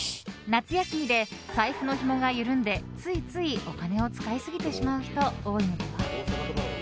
夏休みで財布のひもが緩んでついついお金を使いすぎてしまう人多いのでは？